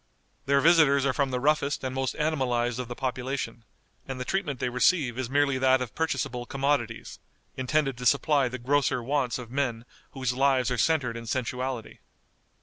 Their visitors are from the roughest and most animalized of the population, and the treatment they receive is merely that of purchasable commodities, intended to supply the grosser wants of men whose lives are centred in sensuality.